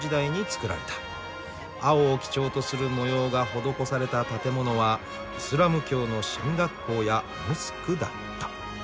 青を基調とする模様が施された建物はイスラム教の神学校やモスクだった。